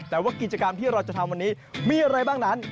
แต่ว่ากิจกรรมที่เราจะทำวันนี้มีอะไรบ้างนั้น